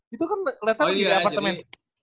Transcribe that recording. itu kan kelihatan lagi di apartemen